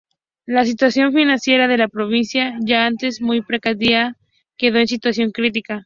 La situación financiera de la provincia, ya antes muy precaria, quedó en situación crítica.